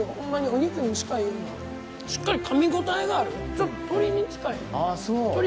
ちょっと鶏に近い。